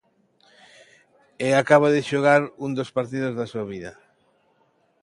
E acaba de xogar un dos partidos da súa vida.